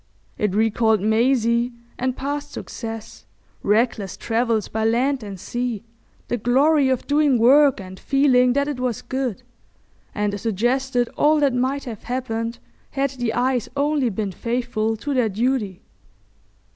It recalled Maisie and past success, reckless travels by land and sea, the glory of doing work and feeling that it was good, and suggested all that might have happened had the eyes only been faithful to their duty.